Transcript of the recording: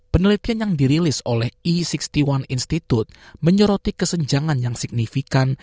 penelitian yang dirilis oleh e enam puluh satu institute menyoroti kesenjangan yang signifikan